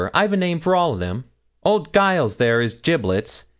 I've a name for all o' them. Old Giles there, is Giblets.